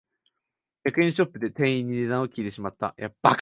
百円ショップで店員に値段を聞いてしまった